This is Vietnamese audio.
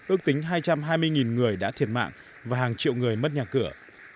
ước tính hai trăm hai mươi người đã thiệt mạng và hàng triệu người mất nhà cửa